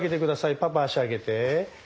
パパ脚上げて。